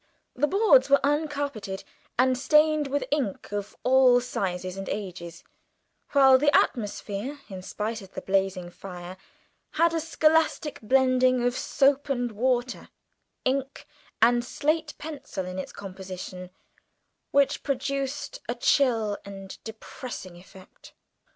The boards were uncarpeted, and stained with patches of ink of all sizes and ages; while the atmosphere, in spite of the blazing fire, had a scholastic blending of soap and water, ink and slate pencil in its composition, which produced a chill and depressing effect.